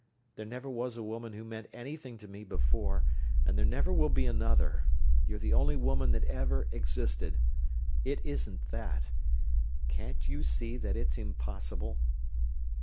There never was a woman who meant anything to me before, and there never will be another. You're the only woman that ever existed. It isn't that. Can't you see that it's impossible?"